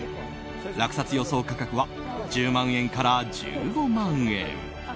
落札予想価格は１０万円から１５万円。